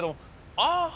ああ！